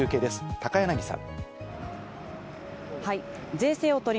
高柳さん。